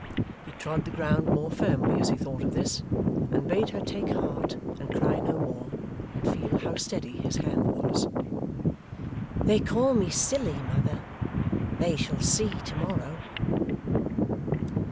He trod the ground more firmly as he thought of this, and bade her take heart and cry no more, and feel how steady his hand was. 'They call me silly, mother. They shall see to morrow!